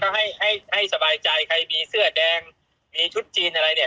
ดังนั้นเนี่ยก็ให้สบายใจใครมีเสื้อแดงมีชุดจีนอะไรเนี่ย